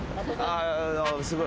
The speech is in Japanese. すごい。